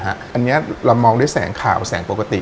อันนี้เรามองด้วยแสงข่าวแสงปกติ